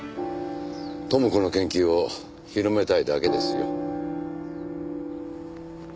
知子の研究を広めたいだけですよ。